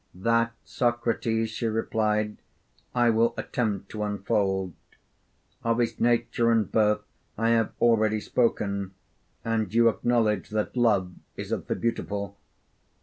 'That, Socrates,' she replied, 'I will attempt to unfold: of his nature and birth I have already spoken; and you acknowledge that love is of the beautiful.